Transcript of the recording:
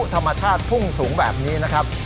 ธรรมชาติพุ่งสูงแบบนี้นะครับ